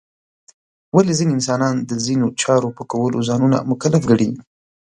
ولې ځینې انسانان د ځینو چارو په کولو ځانونه مکلف ګڼي؟